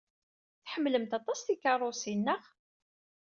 Tḥemmlemt aṭas tikeṛṛusin, naɣ?